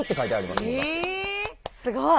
すごい！